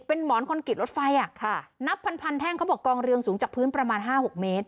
เป็นหมอนคนกิจรถไฟนับพันแท่งเขาบอกกองเรืองสูงจากพื้นประมาณ๕๖เมตร